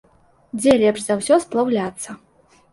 Дзе лепш за ўсё сплаўляцца?